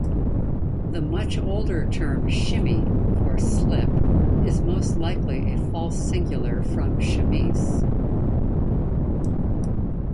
The much-older term "shimmy" for "slip" is most likely a false singular from chemise.